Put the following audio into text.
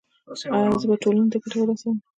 ایا زه به ټولنې ته ګټه ورسوم؟